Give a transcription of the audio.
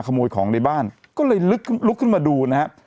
ขโมยของในบ้านก็เลยลุกขึ้นมาดูนะฮะ